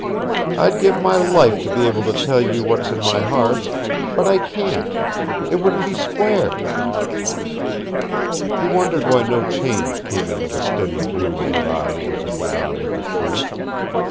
I'd give my life to be able to tell you what's in my heart. But I can't. It wouldn't be square." He wondered why no change came into the steady blue of her eyes as he went on with the truth.